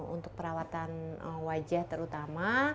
untuk perawatan wajah terutama